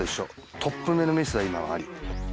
トップめのミスは今はあり。